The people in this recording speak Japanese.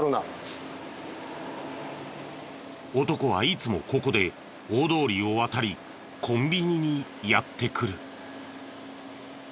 男はいつもここで大通りを渡りコンビニにやって来る。